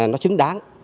nó xứng đáng